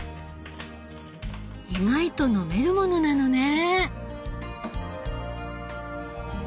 意外と飲めるものなのね。